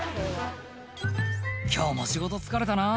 「今日も仕事疲れたな」